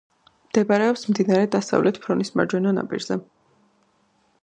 მდებარეობს მდინარე დასავლეთ ფრონის მარჯვენა ნაპირზე.